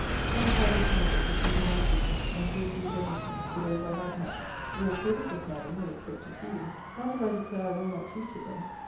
Cannot I be permitted to see whom I please? and to refuse admittance to those I like not? Your creditors, Madam, will expect to see you. Not if I declare I will not treat with them.